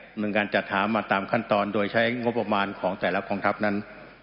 เหมือนการจัดหามาตามขั้นตอนโดยใช้งบประมาณของแต่ละกองทัพนั้น